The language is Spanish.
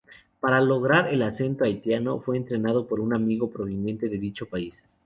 Para lograr el acento haitiano fue entrenado por un amigo proveniente de dicho país.